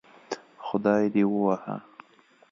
خدای دې ووهه